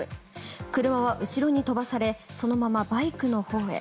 車は後ろに飛ばされそのままバイクのほうへ。